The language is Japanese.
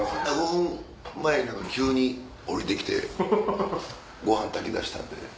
５分前急に下りて来てご飯炊きだしたんでね。